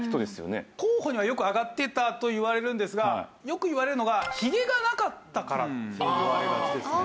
候補にはよく挙がっていたといわれるんですがよくいわれるのがヒゲがなかったからっていわれがちですね。